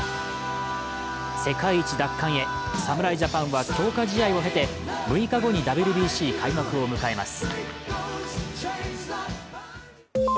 世界一奪還へ、侍ジャパンは強化試合を経て６日後にＷＢＣ開幕を迎えます。